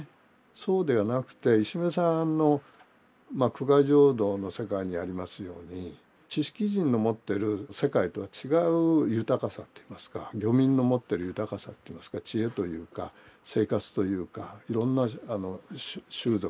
そうではなくて石牟礼さんの「苦海浄土」の世界にありますように知識人の持ってる世界とは違う豊かさといいますか漁民の持ってる豊かさといいますか知恵というか生活というかいろんな習俗とかですね